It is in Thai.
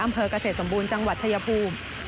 อำเภอกเกษตรสมบูรณ์จังหวัดชายภูมิ